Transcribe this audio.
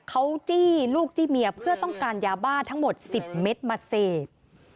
เขาจี้ลูกจี้เมียเพื่อต้องการยาบ้าทั้งหมด๑๐เม็ดมาเสพ